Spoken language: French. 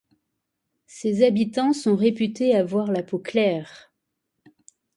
Ses habitants sont réputés avoir la peau claire.